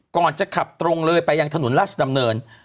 ก่อนจะขับตรงเลยไปยังถนนราชดำเนิน